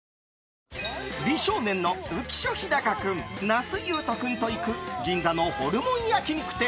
美少年の浮所飛貴君、那須雄登君と行く銀座のホルモン焼き肉店。